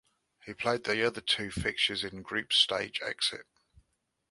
He played the other two fixtures in a group stage exit.